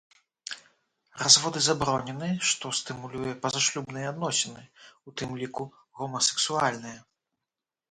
Разводы забаронены, што стымулюе пазашлюбныя адносіны, у тым ліку гомасексуальныя.